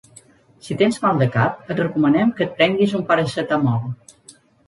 Si tens mal de cap, et recomanem que et prenguis un paracetamol